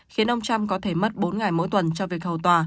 khiến ông trump có thể mất bốn ngày mỗi tuần cho việc hầu tòa